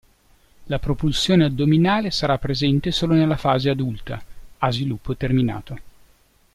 La propulsione addominale sarà presente solo nella fase adulta, a sviluppo terminato.